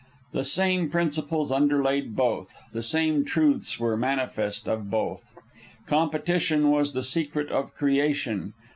The same principles underlaid both; the same truths were manifest of both. Competition was the secret of creation.